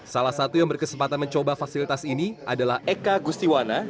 salah satu yang berkesempatan mencoba fasilitas ini adalah eka gustiwana